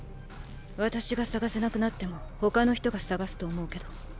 私が捜せなくなっても他の人が捜すと思うけど。